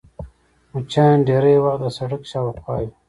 مچان ډېری وخت د سړک شاوخوا وي